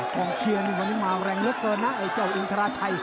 กองเชียร์นี่วันนี้มาแรงเหลือเกินนะไอ้เจ้าอินทราชัย